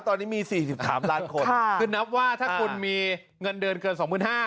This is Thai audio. ตอนนี้มีสี่สิบถามล้านคนค่ะคือนับว่าถ้าคุณมีเงินเดือนเกินสองหมื่นห้า